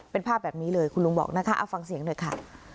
เป็นภาพแบบนี้เลยคุณลุงบอกนะคะเอาฟังเสียงหน่อยค่ะ